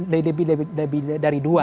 lebih dari di depan